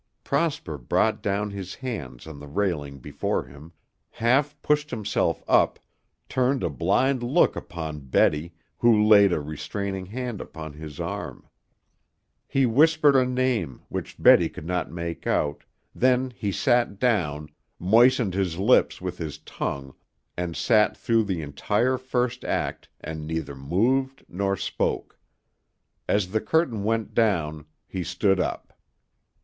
Prosper brought down his hands on the railing before him, half pushed himself up, turned a blind look upon Betty, who laid a restraining hand upon his arm. He whispered a name, which Betty could not make out, then he sat down, moistened his lips with his tongue, and sat through the entire first act and neither moved nor spoke. As the curtain went down he stood up.